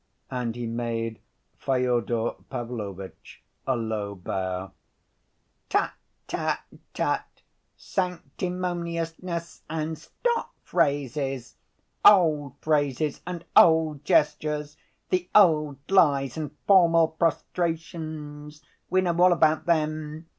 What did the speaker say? and he made Fyodor Pavlovitch a low bow. "Tut—tut—tut—sanctimoniousness and stock phrases! Old phrases and old gestures. The old lies and formal prostrations. We know all about them.